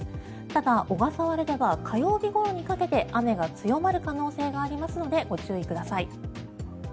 ただ、小笠原では火曜日ごろにかけて雨が強まる可能性がありますのでご注意ください。